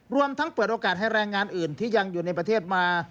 รวมทั้งเปิดโอกาสให้แรงงานอื่นที่ยังอยู่ในประเทศมา